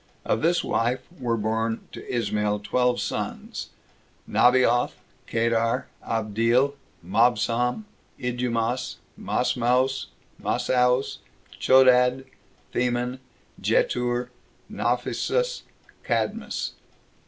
Of this wife were born to Ismael twelve sons; Nabaioth, Kedar, Abdeel, Mabsam, Idumas, Masmaos, Masaos, Chodad, Theman, Jetur, Naphesus, Cadmas.